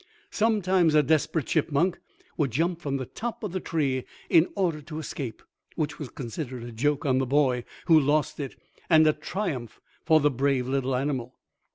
Sometimes a desperate chipmunk would jump from the top of the tree in order to escape, which was considered a joke on the boy who lost it and a triumph for the brave little animal.